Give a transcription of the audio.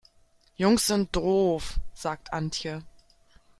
Jungs sind doof, sagt Antje.